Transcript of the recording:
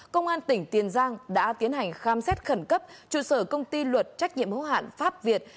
công an tỉnh tiền giang đã tiến hành khám xét khẩn cấp trụ sở công ty luật trách nhiệm hữu hạn pháp việt